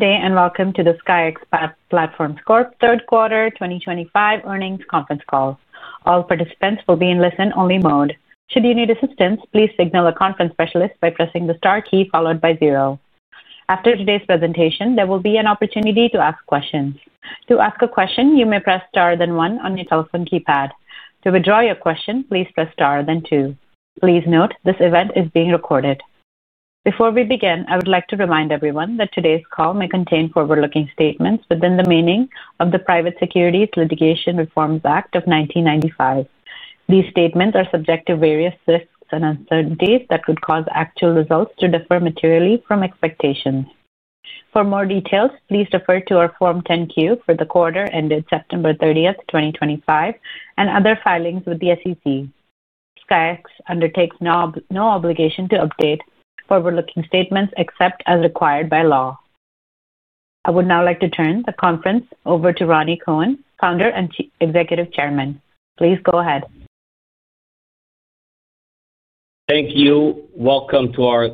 Good day and welcome to the SKYX Platforms Corp Third Quarter 2025 Earnings Conference Call. All participants will be in listen-only mode. Should you need assistance, please signal a conference specialist by pressing the star key followed by zero. After today's presentation, there will be an opportunity to ask questions. To ask a question, you may press star then one on your telephone keypad. To withdraw your question, please press star then two. Please note, this event is being recorded. Before we begin, I would like to remind everyone that today's call may contain forward-looking statements within the meaning of the Private Securities Litigation Reform Act of 1995. These statements are subject to various risks and uncertainties that could cause actual results to differ materially from expectations. For more details, please refer to our Form 10-Q for the quarter ended September 30, 2025, and other filings with the SEC. SKYX undertakes no obligation to update forward-looking statements except as required by law. I would now like to turn the conference over to Rani Kohen, Founder and Executive Chairman. Please go ahead. Thank you. Welcome to our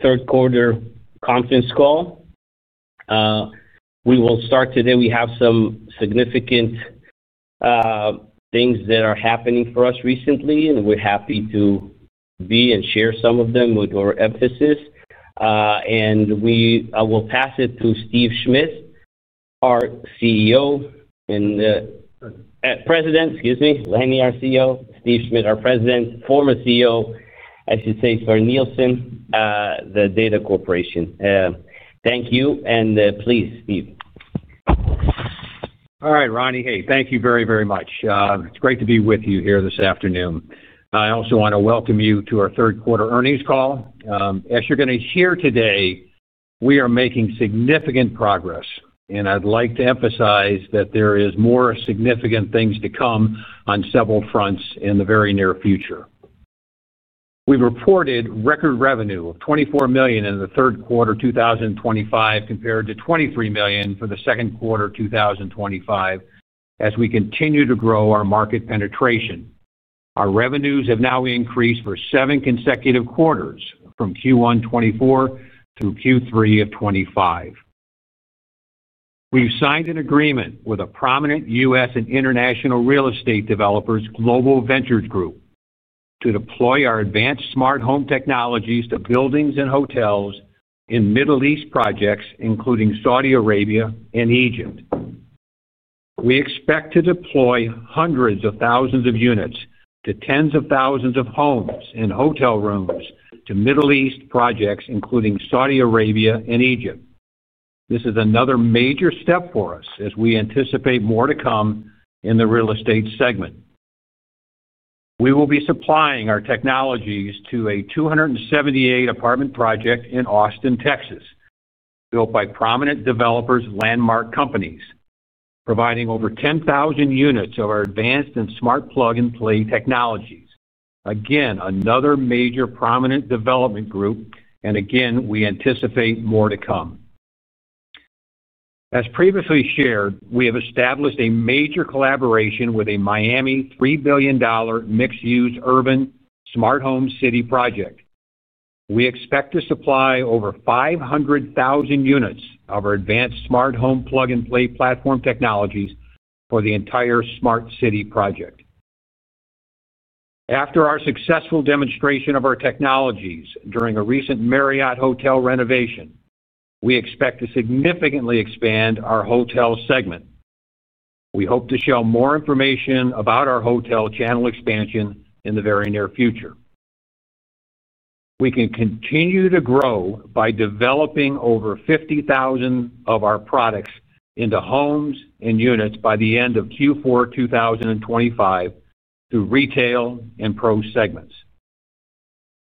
Third Quarter Conference Call. We will start today. We have some significant things that are happening for us recently, and we're happy to be and share some of them with our emphasis. I will pass it to Steve Schmidt, our President, excuse me, Lenny, our CEO, Steve Schmidt, our President, former CEO, I should say, ACNielsen, the data corporation. Thank you. Please, Steve. All right, Rani, hey, thank you very, very much. It's great to be with you here this afternoon. I also want to welcome you to our Third Quarter Earnings Call. As you're going to hear today, we are making significant progress, and I'd like to emphasize that there are more significant things to come on several fronts in the very near future. We've reported record revenue of $24 million in the 3rd Quarter 2025 compared to $23 million for the 2nd Quarter 2025 as we continue to grow our market penetration. Our revenues have now increased for seven consecutive quarters from Q1 2024 to Q3 of 2025. We've signed an agreement with a prominent U.S. and international Real Estate Developer's Global Venture Group to deploy our Advanced Smart Home Technologies to buildings and hotels in Middle East projects, including Saudi Arabia and Egypt. We expect to deploy hundreds of thousands of units to tens of thousands of homes and hotel rooms to Middle East projects, including Saudi Arabia and Egypt. This is another major step for us as we anticipate more to come in the Real Estate Segment. We will be supplying our technologies to a 278-apartment project in Austin, Texas, built by prominent developers Landmark Companies, providing over 10,000 units of our Advanced and Smart Plug-and-Play Technologies. Again, another major prominent development group, and again, we anticipate more to come. As previously shared, we have established a major collaboration with a Miami $3 billion mixed-use urban Smart Home City Project. We expect to supply over 500,000 units of our advanced smart home Plug-and-Play Platform Technologies for the entire Smart City Project. After our successful demonstration of our technologies during a recent Marriott Hotel Renovation, we expect to significantly expand our hotel segment. We hope to share more information about our hotel channel expansion in the very near future. We can continue to grow by developing over 50,000 of our products into homes and units by the end of Q4 2025 through retail and pro segments.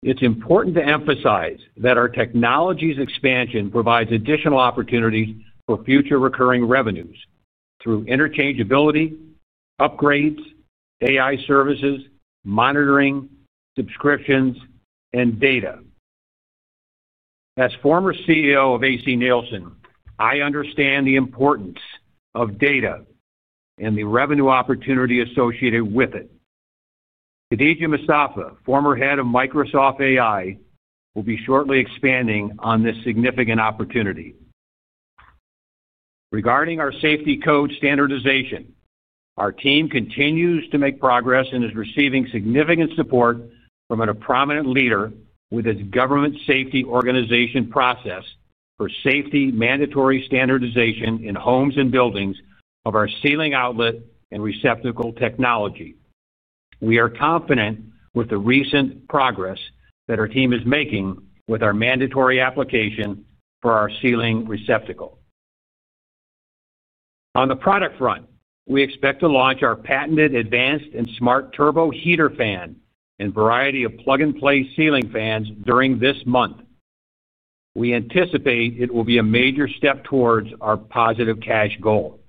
It's important to emphasize that our technologies expansion provides additional opportunities for future recurring revenues through interchangeability, upgrades, AI services, monitoring, subscriptions, and data. As former CEO of ACNielsen, I understand the importance of data and the revenue opportunity associated with it. Khadija Mustafa, Former Head of Microsoft AI, will be shortly expanding on this significant opportunity. Regarding our Safety Code Standardization, our team continues to make progress and is receiving significant support from a prominent leader with its Government Safety Organization process for Safety Mandatory Standardization in homes and buildings of our Ceiling Outlet and Receptacle Technology. We are confident with the recent progress that our team is making with our mandatory application for our ceiling receptacle. On the product front, we expect to launch our patented advanced and smart Turbo Heater Fan and variety of Plug-and-Play Ceiling Fans during this month. We anticipate it will be a major step towards our positive cash goal.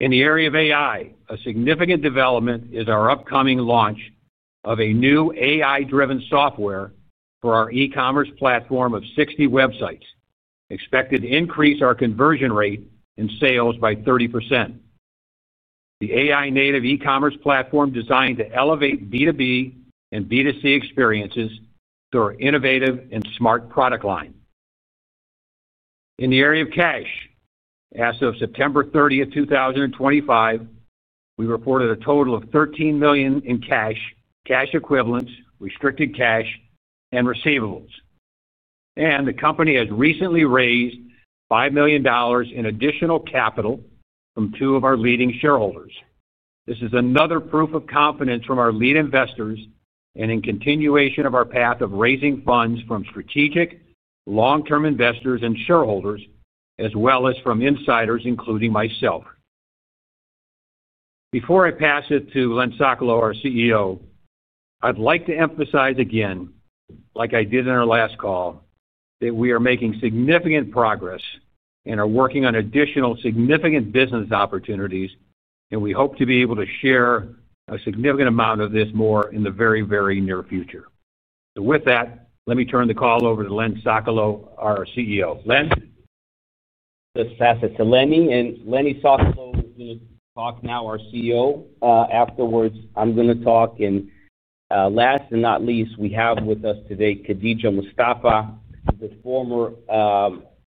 In the area of AI, a significant development is our upcoming launch of a new AI-driven Software for our E-commerce platform of 60 websites, expected to increase our conversion rate and sales by 30%. The AI-native E-commerce platform designed to elevate B2B and B2C experiences through our innovative and smart product line. In the area of cash, as of September 30th, 2025, we reported a total of $13 million in cash, cash equivalents, restricted cash, and receivables. The company has recently raised $5 million in additional capital from two of our leading shareholders. This is another proof of confidence from our lead investors and in continuation of our path of raising funds from strategic long-term investors and shareholders, as well as from insiders, including myself. Before I pass it to Len Sokolow, our CEO, I'd like to emphasize again, like I did in our last call, that we are making significant progress and are working on additional significant business opportunities, and we hope to be able to share a significant amount of this more in the very, very near future. With that, let me turn the call over to Len Sokolow, our CEO. Len? Just pass it to Lenny. And Lenny Sokolow will talk now, our CEO. Afterwards, I'm going to talk. And last and not least, we have with us today Khadija Mustafa, the Former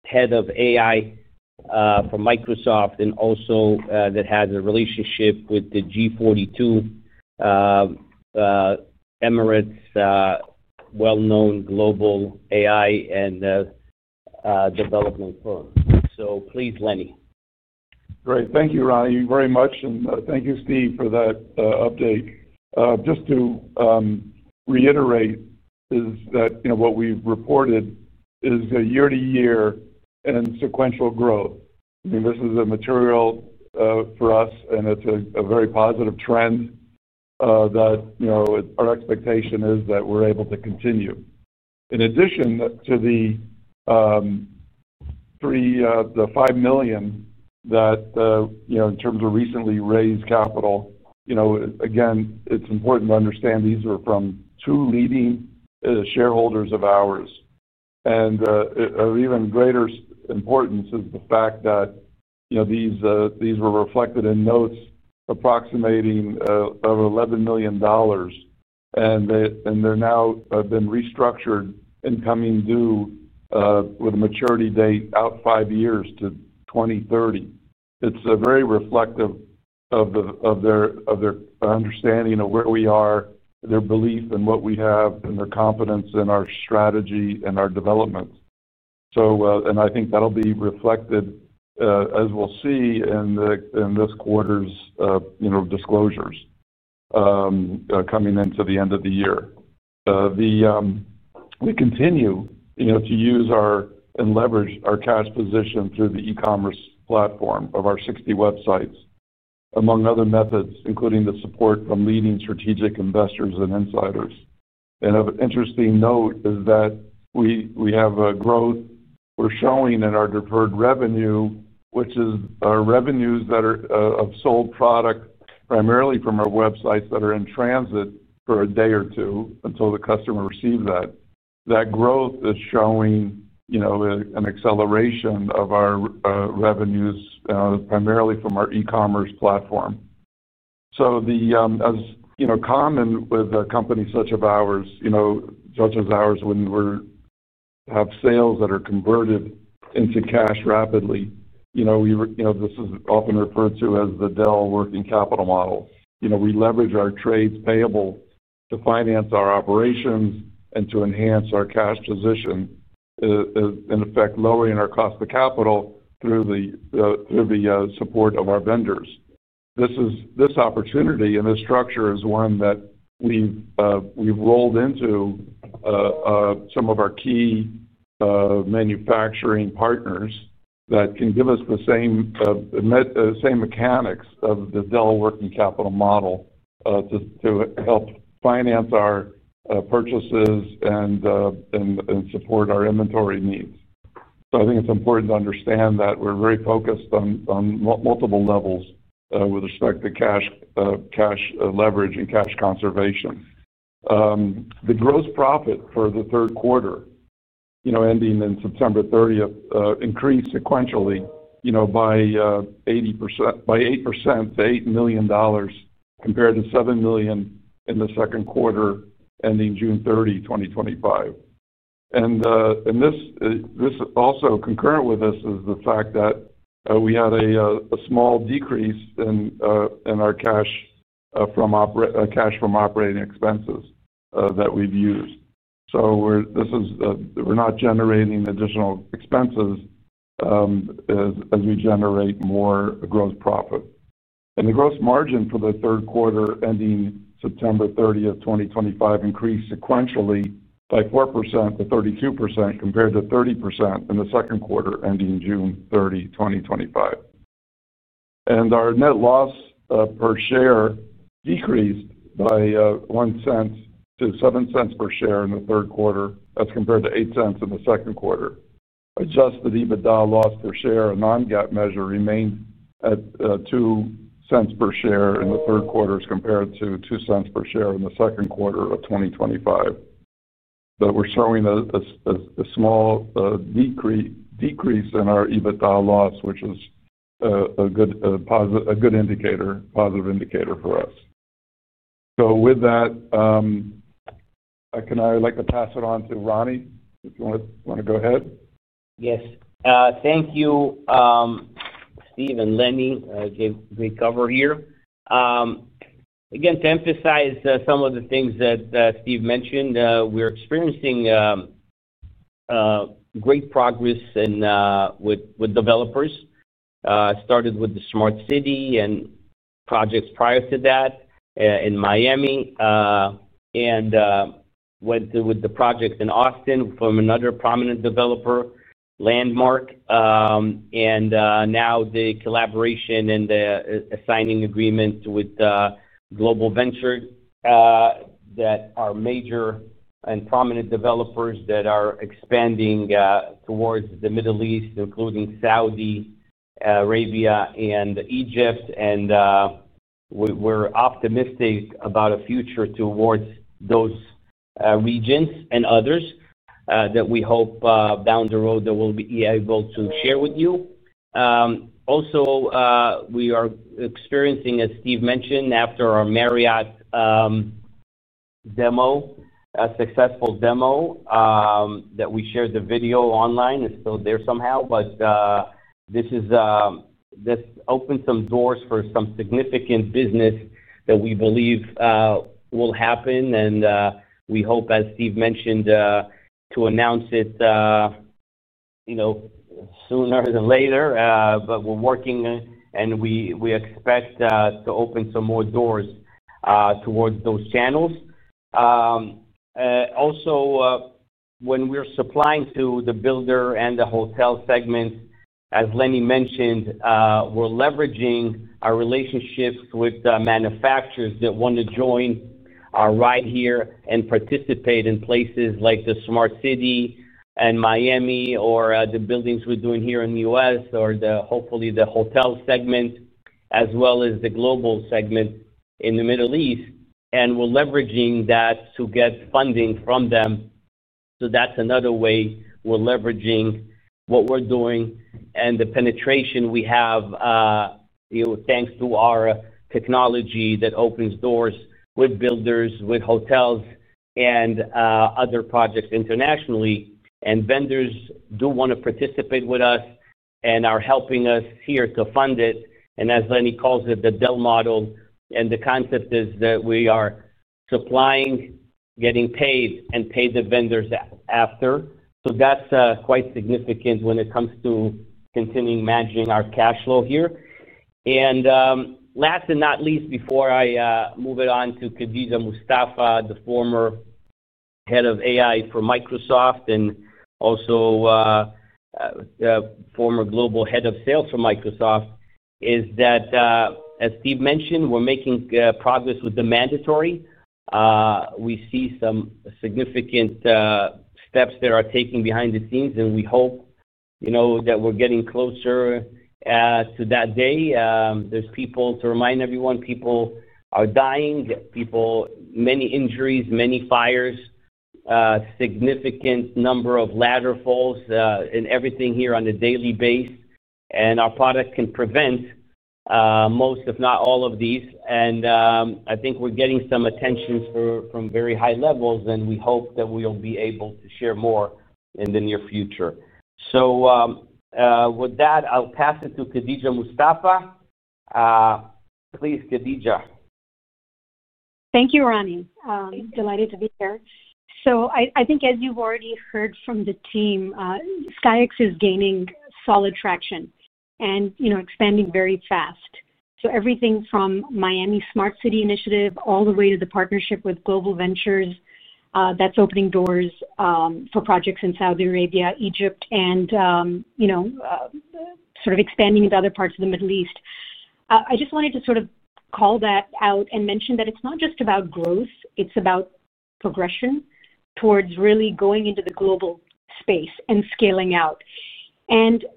Head of AI for Microsoft and also that has a relationship with the G42 Emirates' well-known global AI and development firm. So please, Lenny. Great. Thank you, Rani, very much. Thank you, Steve, for that update. Just to reiterate is that what we've reported is a year-to-year and sequential growth. I mean, this is material for us, and it's a very positive trend that our expectation is that we're able to continue. In addition to the $5 million that in terms of recently raised capital, again, it's important to understand these are from two leading shareholders of ours. Of even greater importance is the fact that these were reflected in notes approximating $11 million, and they're now been restructured and coming due with a maturity date out five years to 2030. It's very reflective of their understanding of where we are, their belief in what we have, and their confidence in our strategy and our development. I think that'll be reflected, as we'll see in this quarter's disclosures coming into the end of the year. We continue to use and leverage our cash position through the E-commerce platform of our 60 websites, among other methods, including the support from leading strategic investors and insiders. Of interesting note is that we have a growth we're showing in our deferred revenue, which is our revenues that are of sold product primarily from our websites that are in transit for a day or two until the customer receives that. That growth is showing an acceleration of our revenues primarily from our E-commerce platform. As common with a company such as ours, when we have sales that are converted into cash rapidly, this is often referred to as the Dell working capital model. We leverage our trades payable to finance our operations and to enhance our cash position and, in effect, lowering our cost of capital through the support of our vendors. This opportunity and this structure is one that we've rolled into some of our key manufacturing partners that can give us the same mechanics of the Dell working capital model to help finance our purchases and support our inventory needs. I think it's important to understand that we're very focused on multiple levels with respect to cash leverage and cash conservation. The gross profit for the 3rd quarter ending in September 30th increased sequentially by 8% to $8 million compared to $7 million in the 2nd quarter ending June 30, 2025. This also concurrent with this is the fact that we had a small decrease in our cash from operating expenses that we've used. We're not generating additional expenses as we generate more gross profit. The gross margin for the 3rd quarter ending September 30, 2025 increased sequentially by 4%-32% compared to 30% in the 2nd quarter ending June 30, 2025. Our net loss per share decreased by $0.01-$0.07 per share in the 3rd quarter as compared to $0.08 in the 2nd quarter. Adjusted EBITDA loss per share, a non-GAAP measure, remained at $0.02 per share in the third quarter as compared to $0.02 per share in the 2nd quarter of 2025. We're showing a small decrease in our EBITDA loss, which is a good indicator, positive indicator for us. With that, I would like to pass it on to Rani if you want to go ahead. Yes. Thank you, Steve and Lenny. I gave great cover here. Again, to emphasize some of the things that Steve mentioned, we're experiencing great progress with developers. Started with the Smart City and projects prior to that in Miami and went through with the project in Austin from another prominent developer, Landmark. Now the collaboration and the signing agreement with Global Venture, that are major and prominent developers that are expanding towards the Middle East, including Saudi Arabia and Egypt. We're optimistic about a future towards those regions and others that we hope down the road that we'll be able to share with you. Also, we are experiencing, as Steve mentioned, after our Marriott demo, a successful demo that we shared the video online. It's still there somehow, but this opened some doors for some significant business that we believe will happen. We hope, as Steve mentioned, to announce it sooner than later. We are working, and we expect to open some more doors towards those channels. Also, when we are supplying to the builder and the Hotel Segment, as Lenny mentioned, we are leveraging our relationships with manufacturers that want to join our ride here and participate in places like the Smart City in Miami or the buildings we are doing here in the U.S. or hopefully the Hotel Segment, as well as the Global Segment in the Middle East. We are leveraging that to get funding from them. That is another way we are leveraging what we are doing and the penetration we have thanks to our technology that opens doors with builders, with hotels, and other projects internationally. Vendors do want to participate with us and are helping us here to fund it. As Lenny calls it, the Dell model. The concept is that we are supplying, getting paid, and pay the vendors after. That is quite significant when it comes to continuing managing our cash flow here. Last but not least, before I move it on to Khadija Mustafa, the former head of AI for Microsoft and also Former Global Head of Sales for Microsoft, as Steve mentioned, we're making progress with the mandatory. We see some significant steps that are taken behind the scenes, and we hope that we're getting closer to that day. There is people to remind everyone. People are dying. People, many injuries, many fires, significant number of ladder falls and everything here on a daily base. Our product can prevent most, if not all of these. I think we're getting some attention from very high levels, and we hope that we'll be able to share more in the near future. With that, I'll pass it to Khadija Mustafa. Please, Khadija. Thank you, Ronnie. Delighted to be here. I think, as you've already heard from the team, SKYX is gaining solid traction and expanding very fast. Everything from Miami Smart City Initiative all the way to the partnership with Global Venture Group that's opening doors for projects in Saudi Arabia, Egypt, and sort of expanding into other parts of the Middle East. I just wanted to sort of call that out and mention that it's not just about growth. It's about progression towards really going into the global space and scaling out.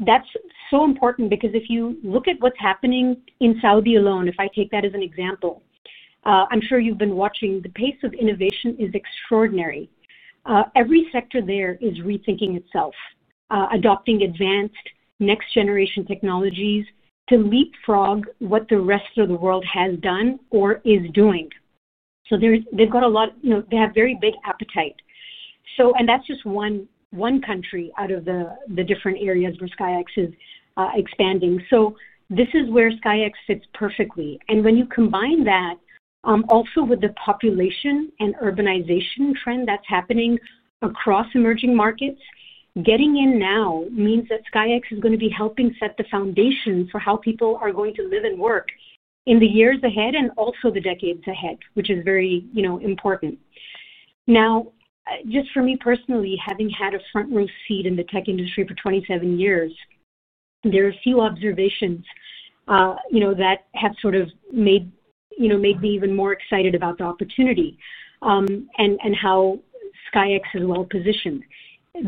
That's so important because if you look at what's happening in Saudi alone, if I take that as an example, I'm sure you've been watching. The pace of innovation is extraordinary. Every sector there is rethinking itself, adopting advanced next-generation technologies to leapfrog what the rest of the world has done or is doing. They have a lot, they have very big appetite. That is just one country out of the different areas where SKYX is expanding. This is where SKYX fits perfectly. When you combine that also with the population and urbanization trend that is happening across emerging markets, getting in now means that SKYX is going to be helping set the foundation for how people are going to live and work in the years ahead and also the decades ahead, which is very important. Now, just for me personally, having had a front-row seat in the tech industry for 27 years, there are a few observations that have sort of made me even more excited about the opportunity and how SKYX is well-positioned.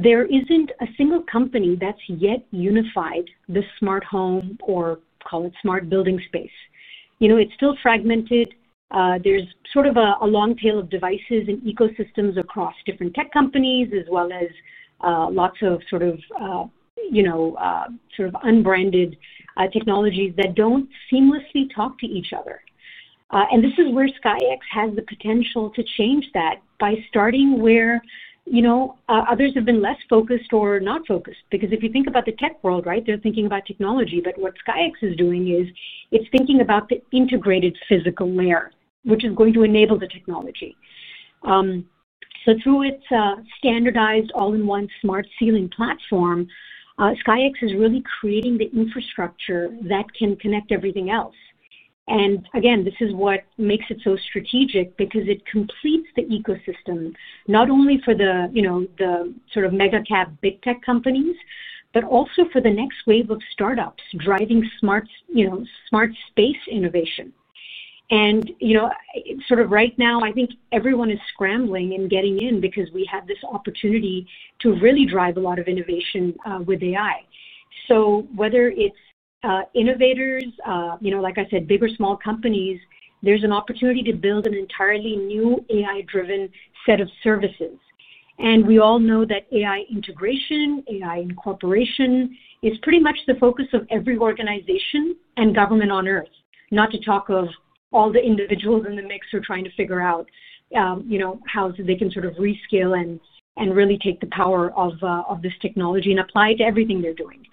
There is not a single company that has yet unified the smart home or call it smart building space. It is still fragmented. There's sort of a long tail of devices and ecosystems across different tech companies as well as lots of sort of unbranded technologies that don't seamlessly talk to each other. This is where SKYX has the potential to change that by starting where others have been less focused or not focused. If you think about the tech world, right, they're thinking about technology. What SKYX is doing is it's thinking about the Integrated Physical Layer, which is going to enable the technology. Through its Standardized All-in-one Smart Ceiling Platform, SKYX is really creating the infrastructure that can connect everything else. This is what makes it so strategic because it completes the ecosystem, not only for the sort of Mega-Cap Big Tech Companies, but also for the next wave of startups driving smart space innovation. Right now, I think everyone is scrambling and getting in because we have this opportunity to really drive a lot of innovation with AI. Whether it's innovators, like I said, big or small companies, there's an opportunity to build an entirely new AI-driven set of services. We all know that AI integration, AI incorporation is pretty much the focus of every organization and government on earth, not to talk of all the individuals in the mix who are trying to figure out how they can sort of rescale and really take the power of this technology and apply it to everything they're doing.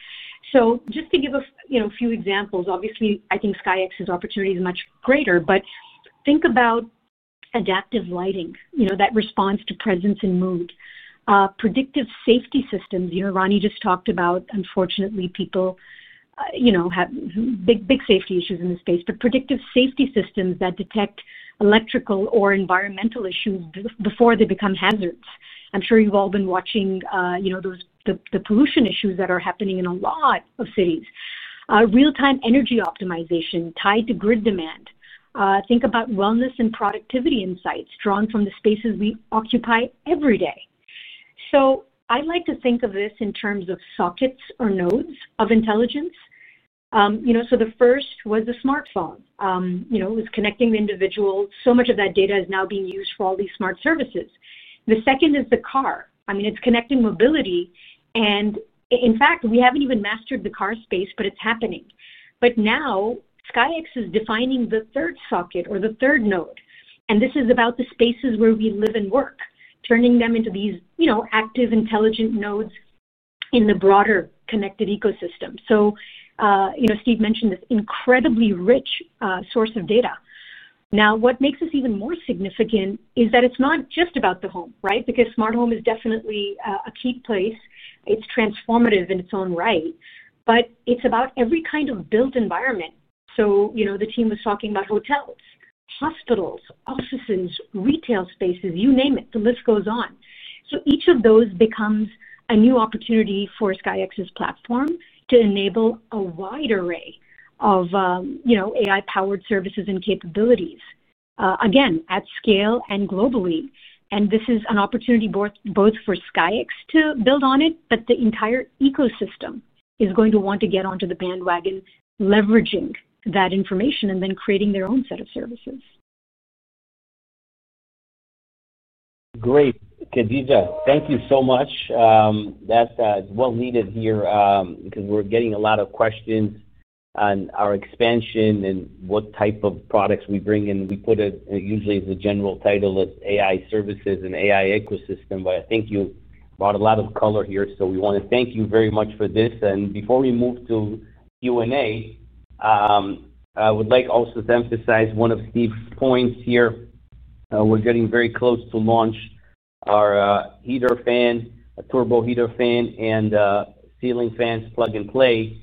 Just to give a few examples, obviously, I think SKYX's opportunity is much greater. Think about Adaptive Lighting that responds to presence and mood, predictive safety systems. Rani just talked about, unfortunately, people have big safety issues in this space, but predictive safety systems that detect electrical or environmental issues before they become hazards. I'm sure you've all been watching the pollution issues that are happening in a lot of cities, real-time energy optimization tied to grid demand. Think about wellness and productivity insights drawn from the spaces we occupy every day. I like to think of this in terms of sockets or nodes of intelligence. The 1st was the smartphone. It was connecting the individual. So much of that data is now being used for all these smart services. The 2nd is the car. I mean, it's connecting mobility. In fact, we haven't even mastered the Car Space, but it's happening. Now SKYX is defining the 3rd socket or the 3rd node. This is about the spaces where we live and work, turning them into these active, intelligent nodes in the broader connected ecosystem. Steve mentioned this incredibly rich source of data. What makes this even more significant is that it's not just about the home, right? Because smart home is definitely a key place. It's transformative in its own right. It's about every kind of built environment. The team was talking about hotels, hospitals, offices, retail spaces, you name it. The list goes on. Each of those becomes a new opportunity for SKYX's platform to enable a wide array of AI-powered services and capabilities, again, at scale and globally. This is an opportunity both for SKYX to build on it, but the entire ecosystem is going to want to get onto the bandwagon, leveraging that information and then creating their own set of services. Great. Khadija, thank you so much. That's well-needed here because we're getting a lot of questions on our expansion and what type of products we bring. We put it usually as a general title as AI services and AI ecosystem. I think you brought a lot of color here. We want to thank you very much for this. Before we move to Q&A, I would like also to emphasize one of Steve's points here. We're getting very close to launch our Heater Fan, a Turbo Heater Fan, and Ceiling Fans Plug-and-Play.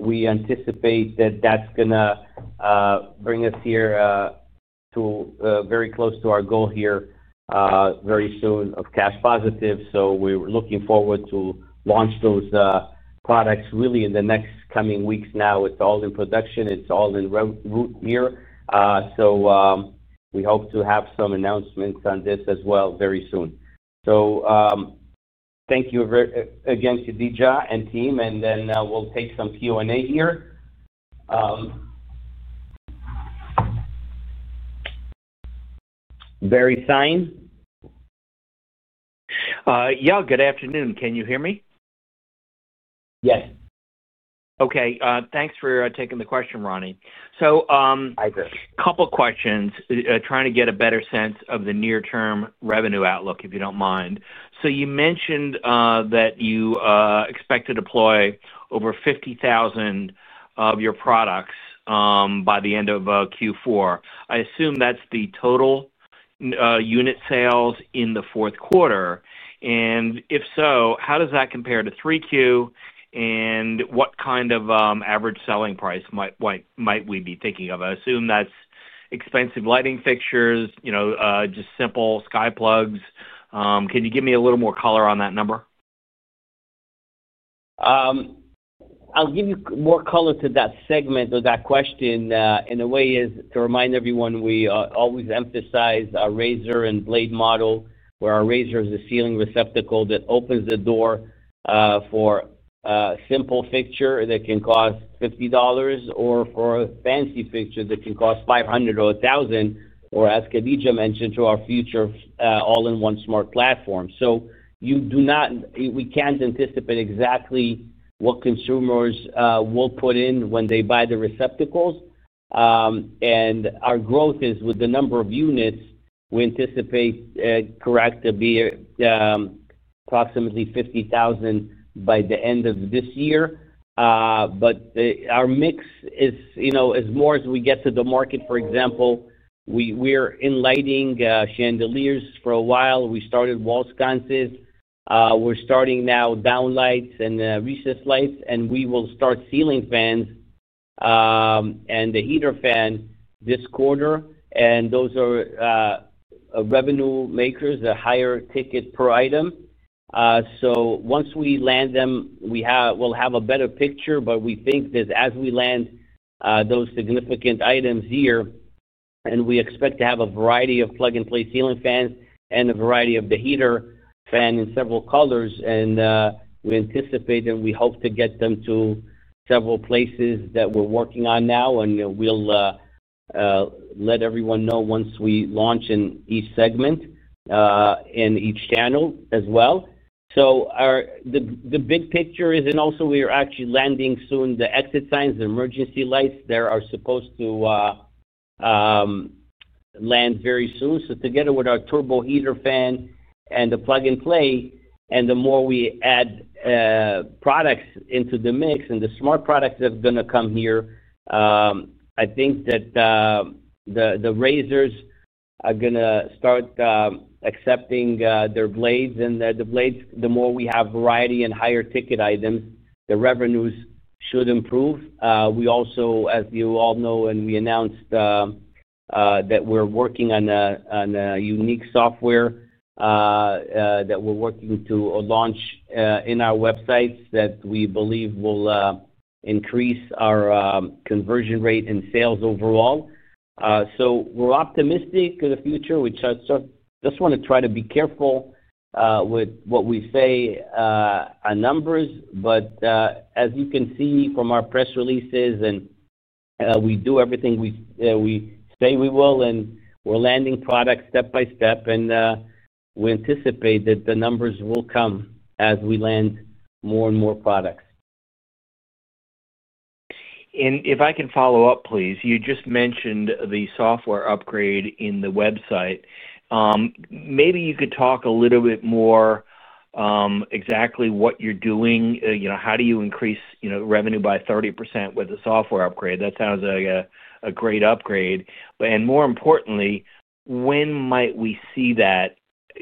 We anticipate that that's going to bring us here very close to our goal here very soon of cash positive. We're looking forward to launch those products really in the next coming weeks now. It's all in production. It's all en route here. We hope to have some announcements on this as well very soon. Thank you again to Khadija and team. Then we'll take some Q&A here. Barry Stein. Yeah. Good afternoon. Can you hear me? Yes. Okay. Thanks for taking the question, Rani. So a couple of questions, trying to get a better sense of the near-term revenue outlook, if you do not mind. You mentioned that you expect to deploy over 50,000 of your products by the end of Q4. I assume that is the Total Unit Sales in the 4th quarter. If so, how does that compare to 3Q? What kind of Average Selling Price might we be thinking of? I assume that is expensive lighting fixtures, just simple SkyPlugs. Can you give me a little more color on that number? I'll give you more color to that segment or that question in a way is to remind everyone we always emphasize our Razor and Blade Model where our razor is a ceiling receptacle that opens the door for a simple fixture that can cost $50 or for a fancy fixture that can cost $500 or $1,000, or as Khadija mentioned, to our future All-in-one smart platform. We can't anticipate exactly what consumers will put in when they buy the receptacles. Our growth is with the number of units. We anticipate, correct, to be approximately 50,000 by the end of this year. Our mix is more as we get to the market, for example, we're in Lighting Chandeliers for a while. We started wall sconces. We're starting now Down Lights and Recessed Lights. We will start ceiling fans and the heater fan this quarter. Those are revenue makers, a higher ticket per item. Once we land them, we'll have a better picture. We think that as we land those significant items here, we expect to have a variety of Plug-and-Play Ceiling Fans and a variety of the Heater Fan in several colors. We anticipate and we hope to get them to several places that we're working on now. We'll let everyone know once we launch in each segment and each channel as well. The big picture is, we are actually landing soon the Exit Signs, the Emergency Lights. They are supposed to land very soon. Together with our Turbo Heater Fan and the Plug-and-Play, and the more we add products into the mix and the smart products that are going to come here, I think that the Razors are going to start accepting their Blades. The blades, the more we have variety and higher ticket items, the revenues should improve. We also, as you all know, and we announced that we're working on a unique software that we're working to launch in our websites that we believe will increase our conversion rate and sales overall. We are optimistic for the future. We just want to try to be careful with what we say on numbers. As you can see from our press releases, and we do everything we say we will, and we're landing products step by step. We anticipate that the numbers will come as we land more and more products. If I can follow up, please, you just mentioned the software upgrade in the website. Maybe you could talk a little bit more exactly what you're doing. How do you increase revenue by 30% with a software upgrade? That sounds like a great upgrade. More importantly, when might we see the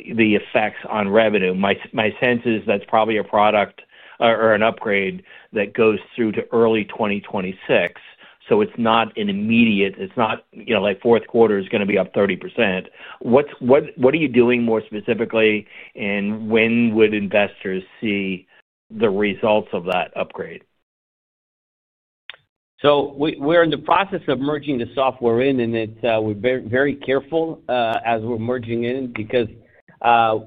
effects on revenue? My sense is that's probably a product or an upgrade that goes through to early 2026. It's not an immediate, it's not like 4th quarter is going to be up 30%. What are you doing more specifically, and when would investors see the results of that upgrade? We are in the process of merging the software in. We are very careful as we are merging in because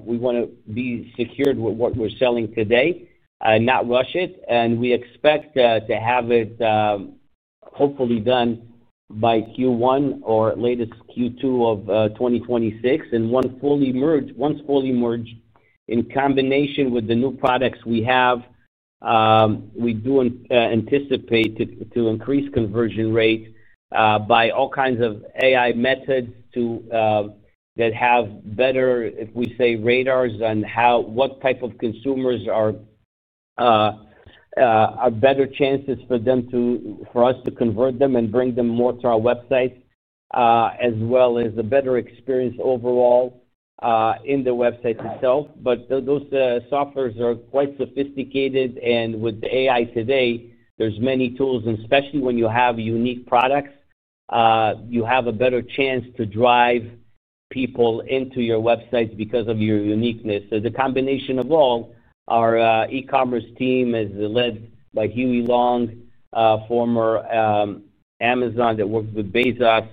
we want to be secured with what we are selling today and not rush it. We expect to have it hopefully done by Q1 or latest Q2 of 2026. Once fully merged, in combination with the new products we have, we do anticipate to increase conversion rate by all kinds of AI methods that have better, if we say, radars on what type of consumers are better chances for us to convert them and bring them more to our website, as well as a better experience overall in the website itself. Those softwares are quite sophisticated. With AI today, there are many tools. Especially when you have unique products, you have a better chance to drive people into your websites because of your uniqueness. The combination of all, our E-commerce Team is led by Huey Long, former Amazon that worked with Bezos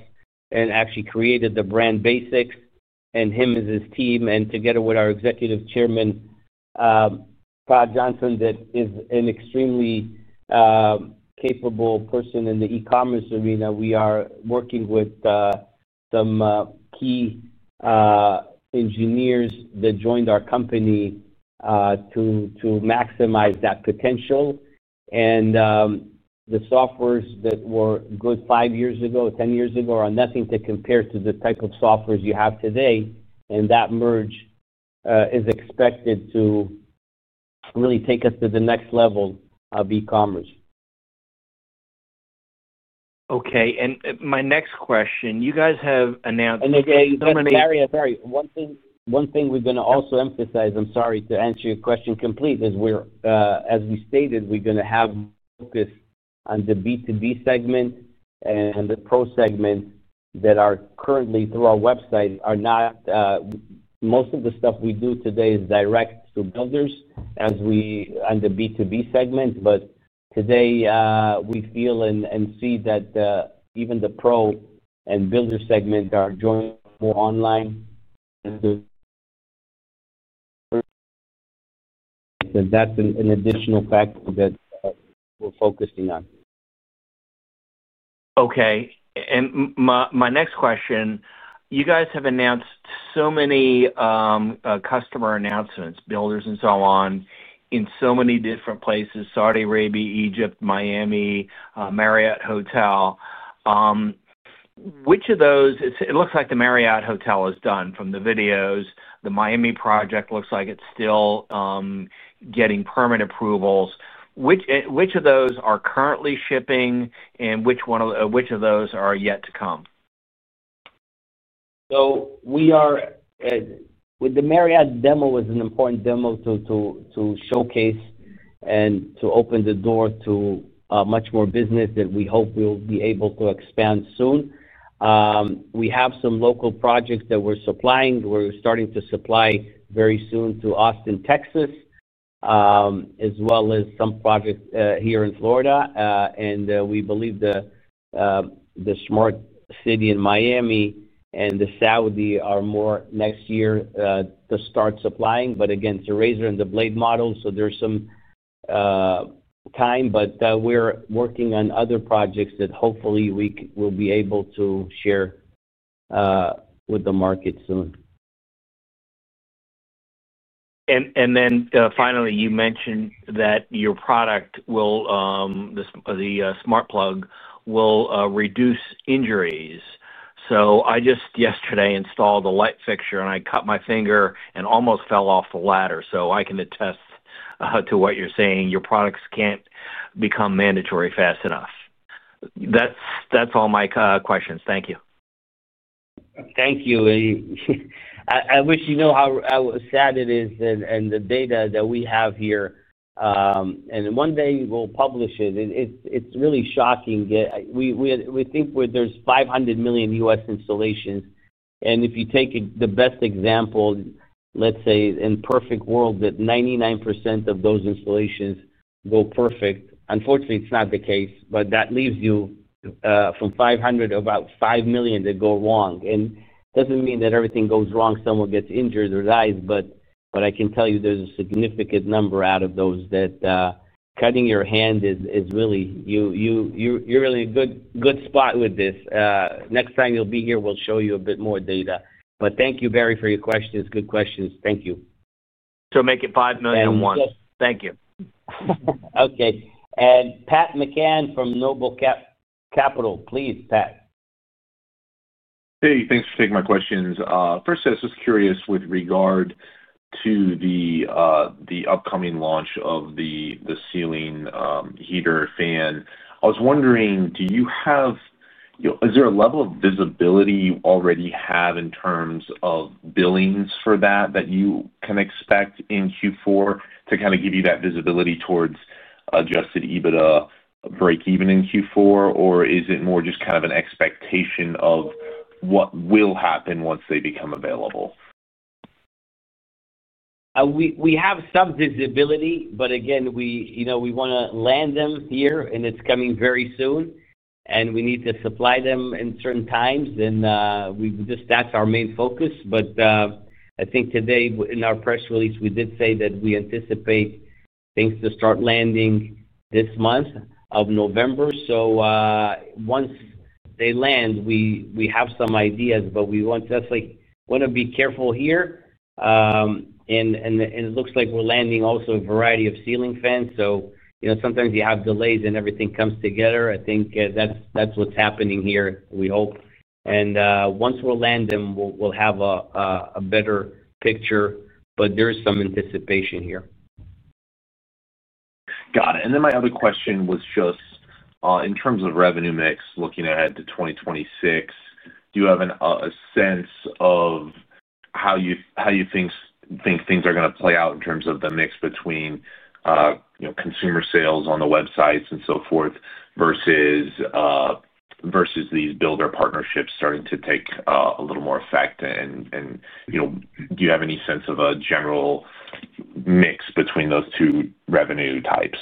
and actually created the brand Basics, and him and his team. Together with our Executive Chairman, Kyle Johnson, that is an extremely capable person in the E-commerce Arena, we are working with some key engineers that joined our company to maximize that potential. The softwares that were good five years ago, 10 years ago are nothing to compare to the type of softwares you have today. That merge is expected to really take us to the next level of E-commerce. Okay. My next question, you guys have announced. Again, Barry, one thing we're going to also emphasize, I'm sorry, to answer your question completely is, as we stated, we're going to have focus on the B2B segment and the pro segment that are currently through our website. Most of the stuff we do today is direct to builders on the B2B segment. Today, we feel and see that even the pro and builder segment are joining more online. That's an additional factor that we're focusing on. Okay. My next question, you guys have announced so many customer announcements, builders, and so on in so many different places: Saudi Arabia, Egypt, Miami, Marriott Hotel. Which of those? It looks like the Marriott Hotel is done from the videos. The Miami project looks like it's still getting permit approvals. Which of those are currently shipping, and which of those are yet to come? With the Marriott Demo, it was an important demo to showcase and to open the door to much more business that we hope we'll be able to expand soon. We have some local projects that we're supplying. We're starting to supply very soon to Austin, Texas, as well as some projects here in Florida. We believe the smart city in Miami and the Saudi are more next year to start supplying. Again, it's a razor and the blade model. There's some time, but we're working on other projects that hopefully we will be able to share with the market soon. Finally, you mentioned that your product, the Smart Plug, will reduce injuries. I just yesterday installed a light fixture, and I cut my finger and almost fell off the ladder. I can attest to what you're saying. Your products can't become mandatory fast enough. That's all my questions. Thank you. Thank you. I wish you know how sad it is and the data that we have here. One day we'll publish it. It's really shocking. We think there's 500 million U.S. installations. If you take the best example, let's say, in a perfect world, that 99% of those installations go perfect. Unfortunately, it's not the case. That leaves you from 500 to about 5 million that go wrong. It does not mean that everything goes wrong, someone gets injured or dies. I can tell you there's a significant number out of those that cutting your hand is really, you're in a good spot with this. Next time you're here, we'll show you a bit more data. Thank you, Barry, for your questions. Good questions. Thank you. Make it $5 million a month. Yeah. Yes. Thank you. Okay. Pat McCann from Noble Capital, please, Pat. Hey. Thanks for taking my questions. First, I was just curious with regard to the upcoming launch of the ceiling heater fan. I was wondering, do you have, is there a level of visibility you already have in terms of billings for that that you can expect in Q4 to kind of give you that visibility towards adjusted EBITDA break-even in Q4? Or is it more just kind of an expectation of what will happen once they become available? We have some visibility. Again, we want to land them here, and it is coming very soon. We need to supply them in certain times, and that is our main focus. I think today in our press release, we did say that we anticipate things to start landing this month of November. Once they land, we have some ideas. We want to be careful here. It looks like we are landing also a variety of Ceiling Fans. Sometimes you have delays and everything comes together. I think that is what is happening here, we hope. Once we land them, we will have a better picture. There is some anticipation here. Got it. My other question was just in terms of revenue mix, looking ahead to 2026, do you have a sense of how you think things are going to play out in terms of the mix between consumer sales on the websites and so forth versus these builder partnerships starting to take a little more effect? Do you have any sense of a general mix between those two revenue types?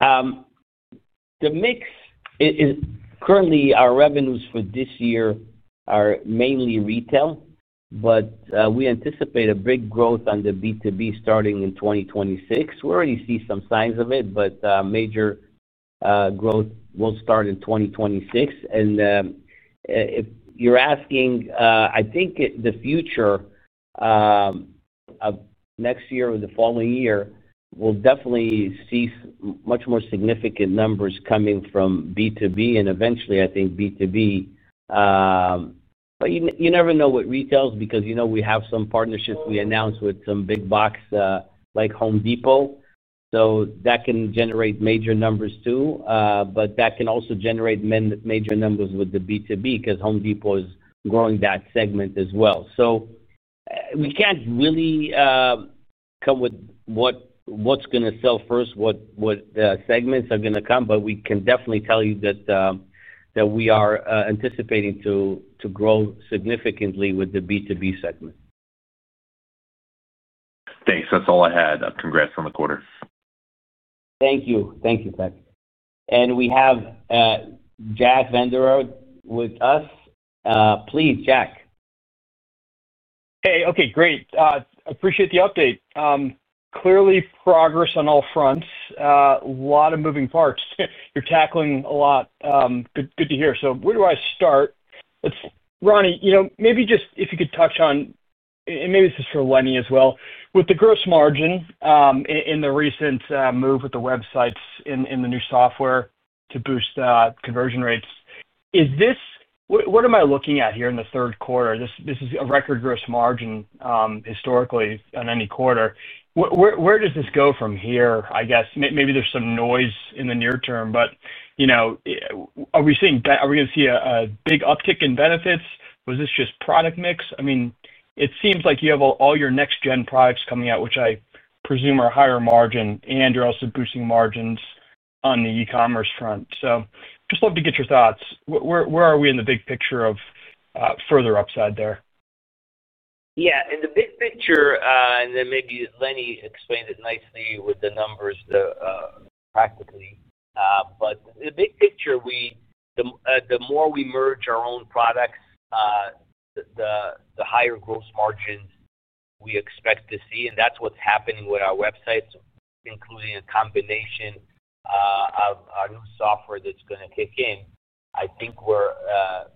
Currently, our revenues for this year are mainly retail. We anticipate a big growth on the B2B starting in 2026. We already see some signs of it. Major growth will start in 2026. If you're asking, I think the future of next year or the following year will definitely see much more significant numbers coming from B2B. Eventually, I think B2B, but you never know with retails because we have some partnerships we announced with some big box like Home Depot. That can generate major numbers too. That can also generate major numbers with the B2B because Home Depot is growing that segment as well. We can't really come with what's going to sell first, what segments are going to come. We can definitely tell you that we are anticipating to grow significantly with the B2B segment. Thanks. That's all I had. Congrats on the quarter. Thank you. Thank you, Pat. We have Jack Vander Aarde with us. Please, Jack. Hey. Okay. Great. Appreciate the update. Clearly, progress on all fronts. A lot of moving parts. You're tackling a lot. Good to hear. Where do I start? Rani, maybe just if you could touch on, and maybe this is for Lenny as well, with the gross margin in the recent move with the websites and the new software to boost conversion rates, what am I looking at here in the 3rd quarter? This is a record gross margin historically on any quarter. Where does this go from here, I guess? Maybe there's some noise in the near term. Are we going to see a big uptick in benefits? Was this just product mix? I mean, it seems like you have all your Next-gen products coming out, which I presume are higher margin, and you're also boosting margins on the E-commerce front. Just love to get your thoughts. Where are we in the big picture of further upside there? Yeah. In the big picture, and then maybe Lenny explained it nicely with the numbers practically. The big picture, the more we merge our own products, the higher gross margins we expect to see. That's what's happening with our websites, including a combination of our new software that's going to kick in. I think we're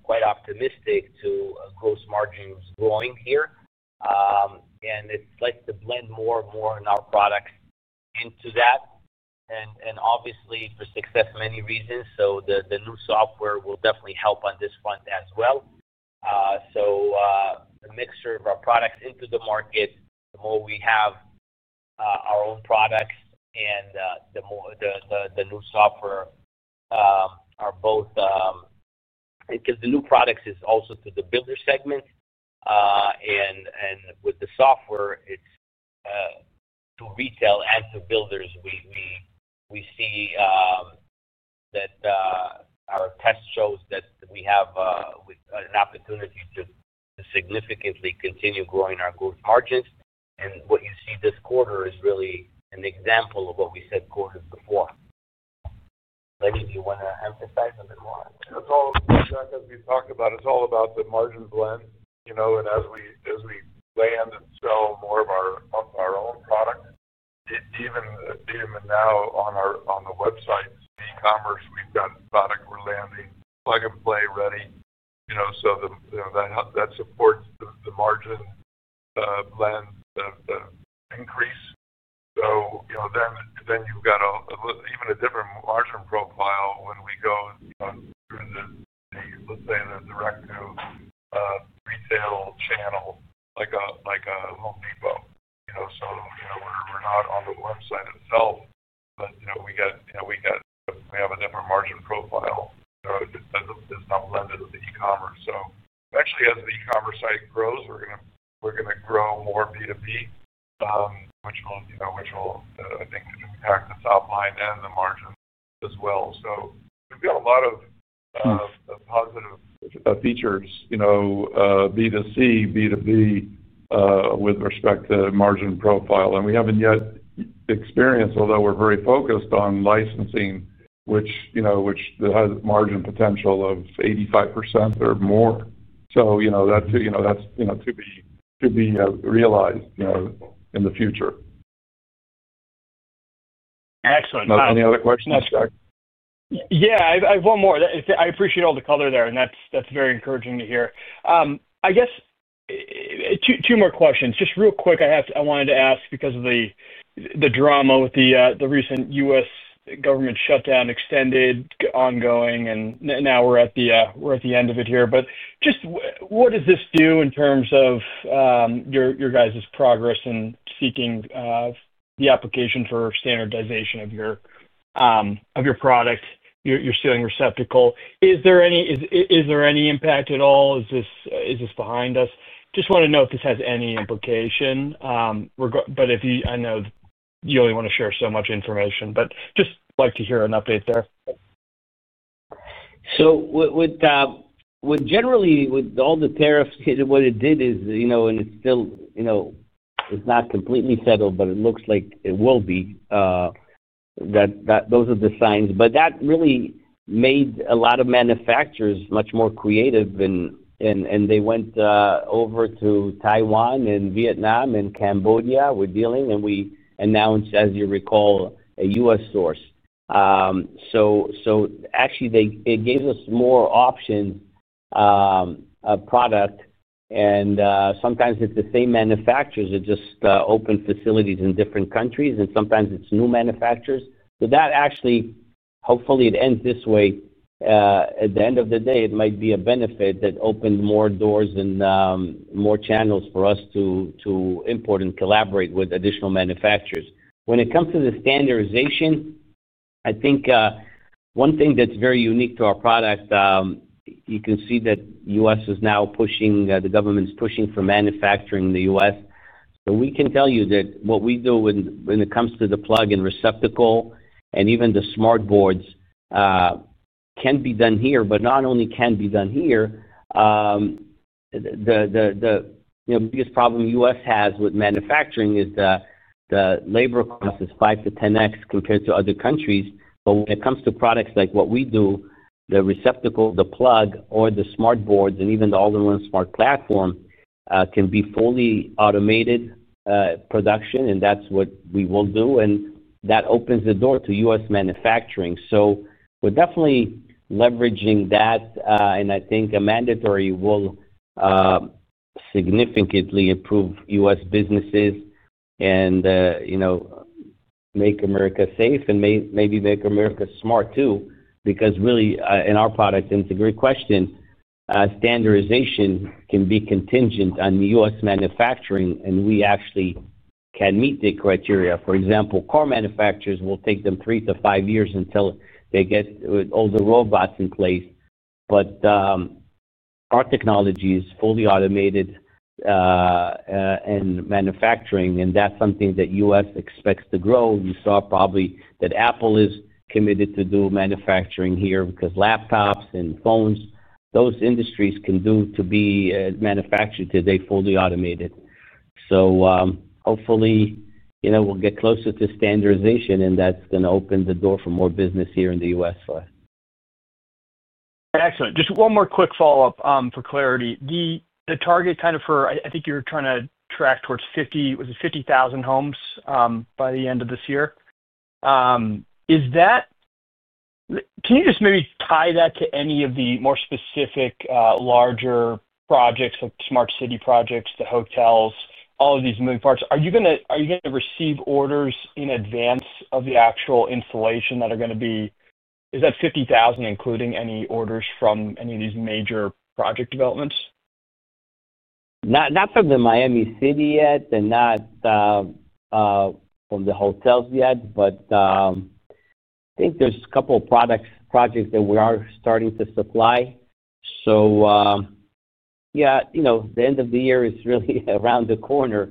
quite optimistic to gross margins growing here. It's like to blend more and more in our products into that. Obviously, for success, many reasons. The new software will definitely help on this front as well. The mixture of our products into the market, the more we have our own products and the new software are both because the new products is also to the builder segment. With the software, it's to retail and to builders. We see that our test shows that we have an opportunity to significantly continue growing our gross margins. What you see this quarter is really an example of what we said quarters before. Lenny, do you want to emphasize a bit more? It's all, Jack, as we talked about, it's all about the margin blend. And as we land and sell more of our own product, even now on the websites, the E-commerce, we've got product we're landing, Plug-and-Play, ready. That supports the margin blend increase. Then you've got even a different margin profile when we go through the, let's say, the direct-to-retail channel like a Home Depot. We're not on the website itself. We have a different margin profile that's now blended with the E-commerce. Actually, as the E-commerce site grows, we're going to grow more B2B, which will, I think, impact the top line and the margin as well. We've got a lot of positive features, B2C, B2B, with respect to margin profile. We haven't yet experienced, although we're very focused on licensing, which has a margin potential of 85% or more. That is to be realized in the future. Excellent. Any other questions, Jack? Yeah. I have one more. I appreciate all the color there. That's very encouraging to hear. I guess two more questions. Just real quick, I wanted to ask because of the drama with the recent U.S. government shutdown extended, ongoing, and now we're at the end of it here. Just what does this do in terms of your guys' progress in seeking the application for standardization of your product, your ceiling receptacle? Is there any impact at all? Is this behind us? I just want to know if this has any implication. I know you only want to share so much information. I just like to hear an update there. Generally, with all the tariffs, what it did is, and it's still not completely settled, but it looks like it will be. Those are the signs. That really made a lot of manufacturers much more creative. They went over to Taiwan and Vietnam and Cambodia with dealing. We announced, as you recall, a U.S. source. Actually, it gave us more options of product. Sometimes it's the same manufacturers. It's just open facilities in different countries. Sometimes it's new manufacturers. That actually, hopefully, it ends this way. At the end of the day, it might be a benefit that opened more doors and more channels for us to import and collaborate with additional manufacturers. When it comes to the standardization, I think one thing that's very unique to our product, you can see that the government's pushing for manufacturing in the U.S.. We can tell you that what we do when it comes to the plug and receptacle and even the Smart Boards can be done here. Not only can it be done here, the biggest problem the U.S. has with manufacturing is the labor cost is 5-10x compared to other countries. When it comes to products like what we do, the receptacle, the plug, or the Smart Boards, and even the All-in-one Smart Platform, it can be fully automated production. That is what we will do. That opens the door to U.S. manufacturing. We are definitely leveraging that. I think a mandatory will significantly improve U.S. businesses and make America safe and maybe make America smart too because really, in our product, and it is a great question, standardization can be contingent on U.S. manufacturing. We actually can meet the criteria. For example, car manufacturers will take them three to five years until they get all the robots in place. Our technology is fully automated and manufacturing. That is something that U.S. expects to grow. You saw probably that Apple is committed to do manufacturing here because laptops and phones, those industries can do to be manufactured today fully automated. Hopefully, we will get closer to standardization. That is going to open the door for more business here in the U.S. for us. Excellent. Just one more quick follow-up for clarity. The target kind of for, I think you were trying to track towards 50, was it 50,000 homes by the end of this year? Can you just maybe tie that to any of the more specific larger projects like Smart City Projects, the hotels, all of these moving parts? Are you going to receive orders in advance of the actual installation that are going to be? Is that 50,000 including any orders from any of these major project developments? Not from the Miami City yet and not from the hotels yet. I think there's a couple of projects that we are starting to supply. Yeah, the end of the year is really around the corner.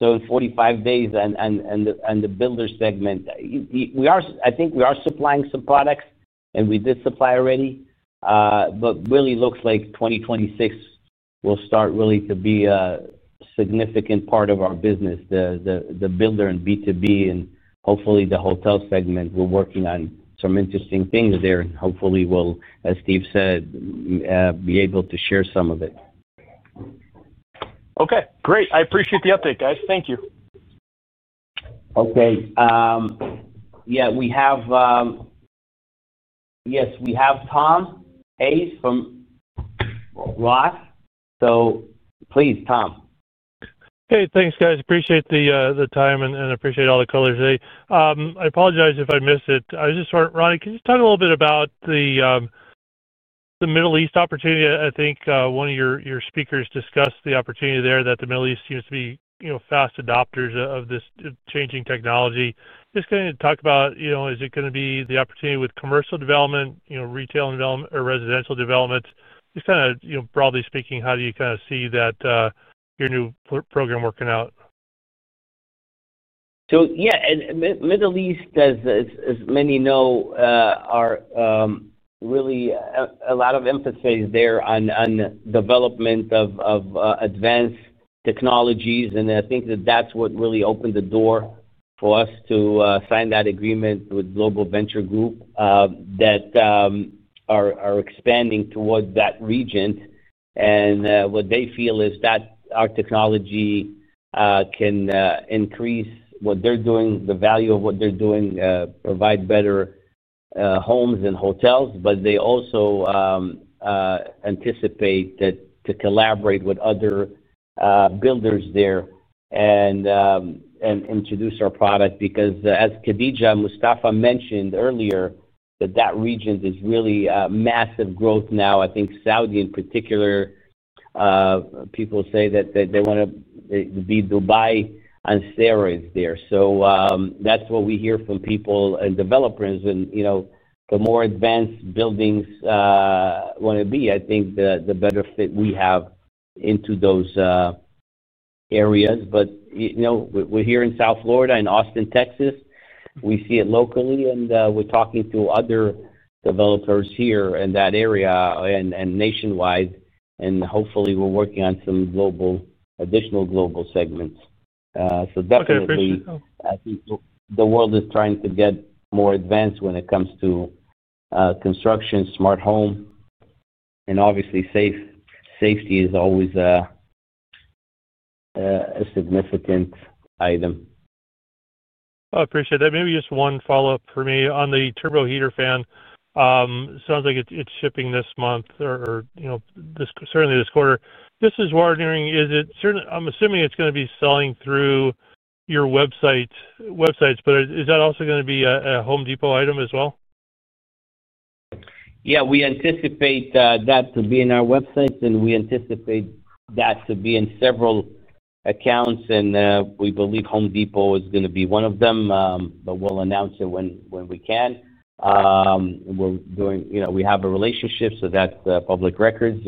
In 45 days and the builder segment, I think we are supplying some products. We did supply already. It really looks like 2026 will start to be a significant part of our business, the builder and B2B and hopefully the Hotel Segment. We're working on some interesting things there. Hopefully, we'll, as Steve said, be able to share some of it. Okay. Great. I appreciate the update, guys. Thank you. Okay. Yeah. Yes, we have Tom Hayes from Ross. So please, Tom. Hey, thanks, guys. Appreciate the time and appreciate all the color today. I apologize if I missed it. Rani, can you just talk a little bit about the Middle East opportunity? I think one of your speakers discussed the opportunity there that the Middle East seems to be fast adopters of this changing technology. Just going to talk about, is it going to be the opportunity with Commercial Development, Retail Development, or Residential Developments? Just kind of broadly speaking, how do you kind of see that your new program working out? Yeah. In the Middle East, as many know, really a lot of emphasis there on development of advanced technologies. I think that that's what really opened the door for us to sign that agreement with Global Venture Group that are expanding toward that region. What they feel is that our technology can increase what they're doing, the value of what they're doing, provide better homes and hotels. They also anticipate to collaborate with other builders there and introduce our product because, as Khadija Mustafa mentioned earlier, that region is really massive growth now. I think Saudi in particular, people say that they want to be Dubai on steroids there. That's what we hear from people and developers. The more advanced buildings want to be, I think the better fit we have into those areas. We're here in South Florida and Austin, Texas. We see it locally. We are talking to other developers here in that area and nationwide. Hopefully, we are working on some additional Global Segments. Definitely, I think the world is trying to get more advanced when it comes to construction, Smart Home. Obviously, safety is always a significant item. I appreciate that. Maybe just one follow-up for me on the Turbo Heater Fan. Sounds like it's shipping this month or certainly this quarter. This is wiring. I'm assuming it's going to be selling through your websites. But is that also going to be a Home Depot item as well? Yeah. We anticipate that to be in our websites. We anticipate that to be in several accounts. We believe Home Depot is going to be one of them. We will announce it when we can. We have a relationship, so that is public record.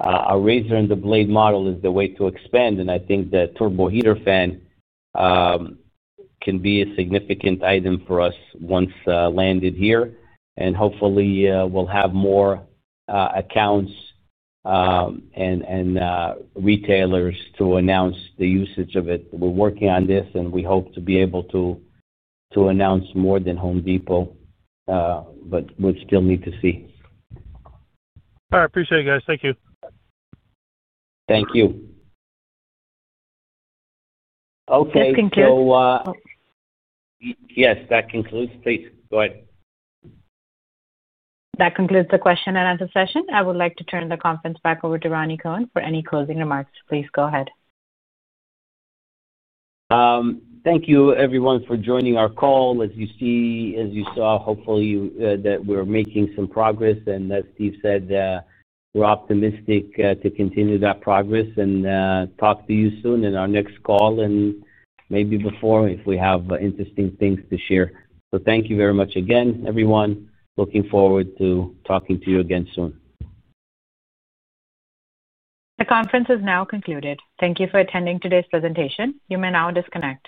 Our Razor and the Blade Model is the way to expand. I think the Turbo Heater Fan can be a significant item for us once landed here. Hopefully, we will have more accounts and retailers to announce the usage of it. We are working on this. We hope to be able to announce more than Home Depot. We still need to see. All right. Appreciate it, guys. Thank you. Thank you. Okay. Yes, that concludes. Please, go ahead. That concludes the question and answer session. I would like to turn the conference back over to Rani Kohen for any closing remarks. Please go ahead. Thank you, everyone, for joining our call. As you saw, hopefully, that we are making some progress. As Steve said, we are optimistic to continue that progress and talk to you soon in our next call and maybe before if we have interesting things to share. Thank you very much again, everyone. Looking forward to talking to you again soon. The conference is now concluded. Thank you for attending today's presentation. You may now disconnect.